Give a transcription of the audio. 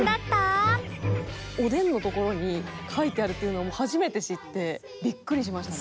おでんのところに書いてあるっていうのも初めて知ってビックリしました。